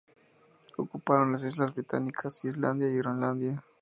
Ocuparon las islas británicas, Islandia y Groenlandia.